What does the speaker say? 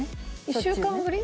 １週間ぶり？